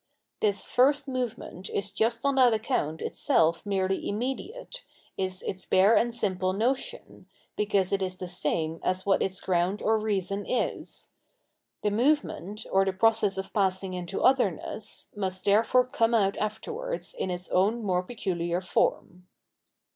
This first movement is just on that account itself merely immediate, is its bare and simple notion, because it is the same as what its ground or reason is. The movement, or the process of passing into otherness, must therefore come out afterwards in its own more peculiar form.